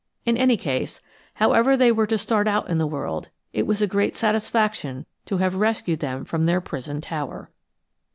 In any case, however they were to start out in the world, it was a great satisfaction to have rescued them from their prison tower.